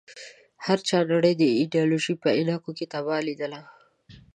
هر چا نړۍ د ایډیالوژۍ په عينکو کې تباه ليدله.